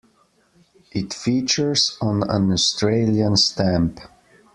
It features on an Australian stamp.